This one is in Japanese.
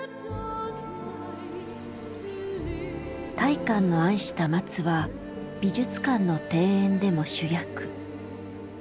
大観の愛した松は美術館の庭園でも主役。